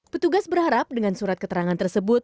petugas berharap dengan surat keterangan tersebut